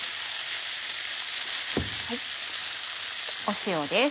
塩です。